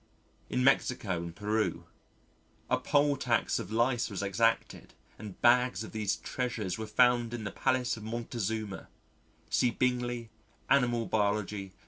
In Mexico and Peru, a poll tax of Lice was exacted and bags of these treasures were found in the Palace of Montezuma (see Bingley, Animal Biog.